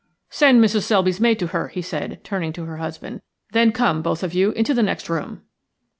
"Send Mrs. Selby's maid to her," he said, turning to her husband; "then come, both of you, into the next room."